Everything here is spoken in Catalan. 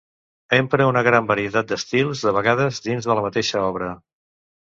Empra una gran varietat d'estils, de vegades dins de la mateixa obra.